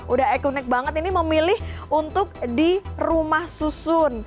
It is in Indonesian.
udah ikonik banget ini memilih untuk di rumah susun